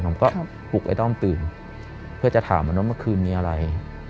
ผมก็ปลุกไอ้ด้อมตื่นเพื่อจะถามมันว่าเมื่อคืนมีอะไร